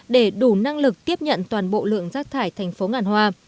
để đủ năng lực tiếp nhận toàn bộ lượng rác thải thành phố ngàn hoa